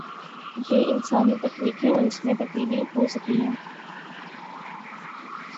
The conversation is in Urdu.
یہ انسانی تخلیق ہے اور اس میں تبدیلی ہو سکتی ہے۔